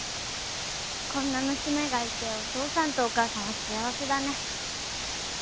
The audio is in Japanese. こんな娘がいてお父さんとお母さんは幸せだね。